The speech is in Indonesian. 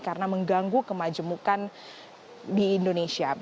karena mengganggu kemajemukan di indonesia